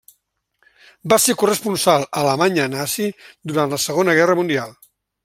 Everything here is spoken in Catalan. Va ser corresponsal a l'Alemanya nazi durant la Segona Guerra Mundial.